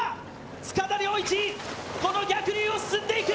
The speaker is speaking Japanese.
塚田僚一、この逆流を進んでいく。